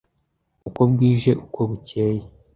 uko bwije uko bukeye